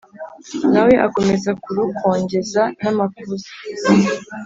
Na we akomeza kurukongeza n’amakuza,